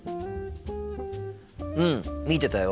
うん見てたよ。